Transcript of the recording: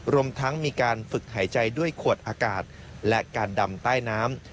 รวมทั้งมีการฝึกหายใจด้วยขวดอากาศและการดำใต้น้ำ